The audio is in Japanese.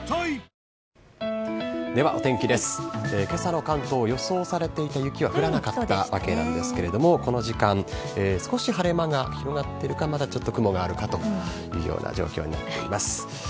けさの関東、予想されていた雪は降らなかったわけなんですけれども、この時間、少し晴れ間が広がってるか、まだちょっと雲があるかというような状況になっています。